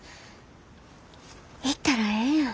行ったらええやん。